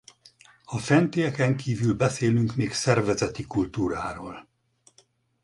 A fentieken kívül beszélünk még szervezeti kultúráról.